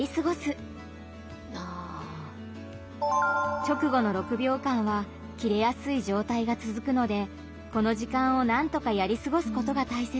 直後の６秒間はキレやすい状態がつづくのでこの時間をなんとかやりすごすことが大切。